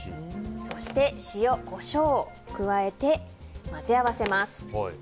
そして、塩、コショウを加えて混ぜ合わせます。